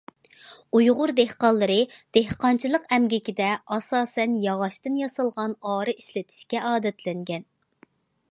ئۇيغۇر دېھقانلىرى دېھقانچىلىق ئەمگىكىدە ئاساسەن ياغاچتىن ياسالغان ئارا ئىشلىتىشكە ئادەتلەنگەن.